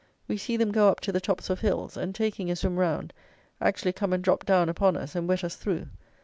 We see them go up to the tops of hills, and, taking a swim round, actually come and drop down upon us and wet us through.